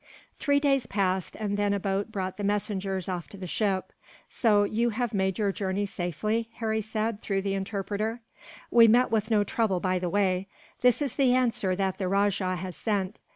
Three days passed, and then a boat brought the messengers off to the ship. "So you have made your journey safely?" Harry said, through the interpreter. "We met with no trouble by the way. This is the answer that the rajah has sent."